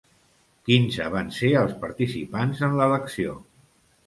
Quinze van ser els participants en l'elecció.